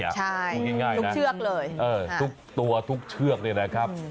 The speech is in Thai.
ใช่ลูกเชือกเลยทุกตัวทุกเชือกนี่แหละครับ